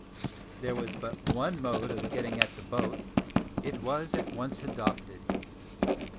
There was but one mode of getting at the boat. It was at once adopted.